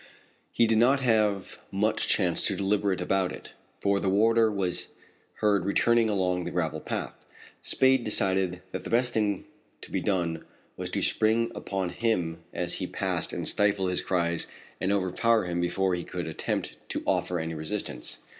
He did not have much chance to deliberate about it, for the warder was heard returning along the gravel path. Spade decided that the best thing to be done was to spring upon him as he passed and stifle his cries and overpower him before he could attempt to offer any resistance.